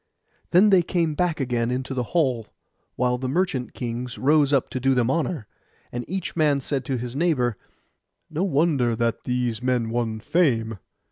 Then they came back again into the hall, while the merchant kings rose up to do them honour. And each man said to his neighbour, 'No wonder that these men won fame.